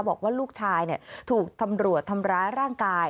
บอกว่าลูกชายถูกตำรวจทำร้ายร่างกาย